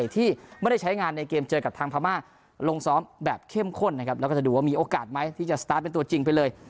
ที่ไม่ได้ใช้งานในเกมเจอกับทางพม่าลงซ้อมแบบเข้มข้นนะครับแล้วก็จะดูว่ามีโอกาสไหมที่จะสตาร์ทเป็นตัวจริงไปเลย